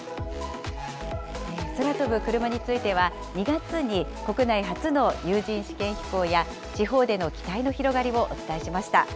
空飛ぶクルマについては、２月に国内初の有人試験飛行や、地方での期待の広がりをお伝えしました。